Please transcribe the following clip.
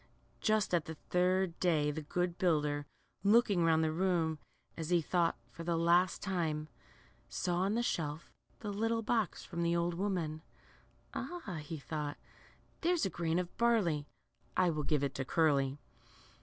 Just at the third day the good builder, looking round the room, as he thought, for the last time, saw on the shelf the little box from the old woman. Ah,'' he thought, there's a grain of barley ; I will give it to Curly."